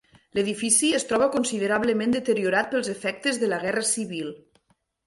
L'edifici es troba considerablement deteriorat pels efectes de la guerra civil.